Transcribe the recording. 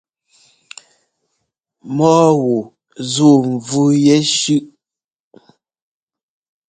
Mɔ́ɔ wu zúu mvú yɛshʉ́ʼʉ?